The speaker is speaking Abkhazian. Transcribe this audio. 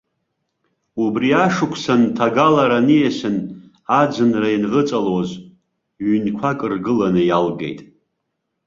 Убри ашықәсан, ҭагалара ниасын, аӡынра ианӷыҵалоз, ҩнқәак ргыланы иалгеит.